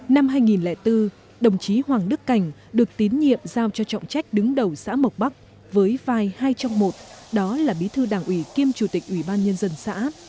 năm hai nghìn bốn đồng chí hoàng đức cảnh được tín nhiệm giao cho trọng trách đứng đầu xã mộc bắc với vai hai trong một đó là bí thư đảng ủy kiêm chủ tịch ủy ban nhân dân xã